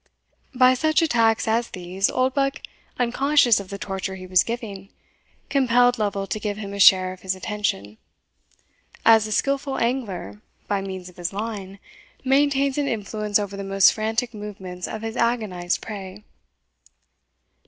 By such attacks as these, Oldbuck, unconscious of the torture he was giving, compelled Lovel to give him a share of his attention, as a skilful angler, by means of his line, maintains an influence over the most frantic movements of his agonized prey.